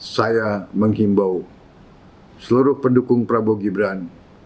saya menghimbau seluruh pendukung prabowo gibran